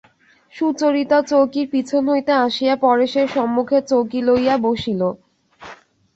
সুচরিতা চৌকির পিছন হইতে আসিয়া পরেশের সম্মুখে চৌকি লইয়া বসিল।